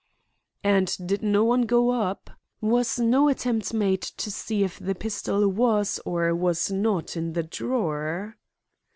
"And did no one go up? Was no attempt made to see if the pistol was or was not in the drawer?"